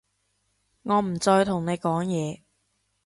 我唔再同你講嘢